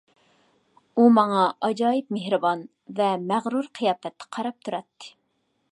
ئۇ ماڭا ئاجايىپ مېھرىبان ۋە مەغرۇر قىياپەتتە قاراپ تۇراتتى.